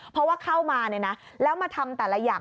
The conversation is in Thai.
เพราะว่าเข้ามาเนี่ยนะแล้วมาทำแต่ละอย่าง